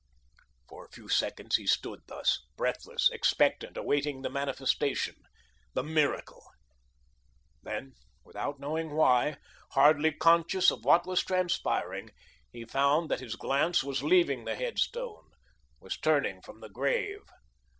For a few seconds he stood thus, breathless, expectant, awaiting the manifestation, the Miracle. Then, without knowing why, hardly conscious of what was transpiring, he found that his glance was leaving the headstone, was turning from the grave.